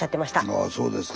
ああそうですか。